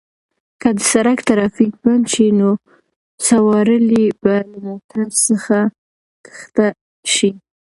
که د سړک ترافیک بند شي نو سوارلۍ به له موټر څخه کښته شي.